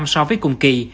so với cùng kỳ